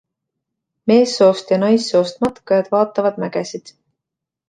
Meessoost ja naissoost matkajad vaatavad mägesid.